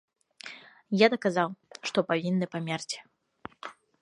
Я даказаў, што павінны памерці.